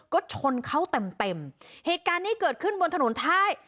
ก็ชนเขาเต็มเต็มเหตุการณ์นี้เกิดขึ้นบนถนนท่าย